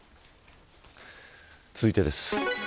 続いてです。